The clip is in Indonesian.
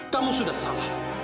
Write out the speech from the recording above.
kamu sudah salah